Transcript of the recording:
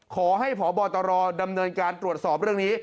ขอให้พบตรดำเนินการตรวจสอบเรื่องนี้